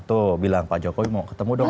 tuh bilang pak jokowi mau ketemu dong